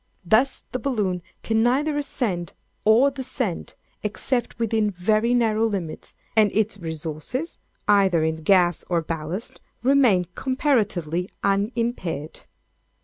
Thus, the balloon can neither ascend or descend, except within very narrow limits, and its resources, either in gas or ballast, remain comparatively unimpaired.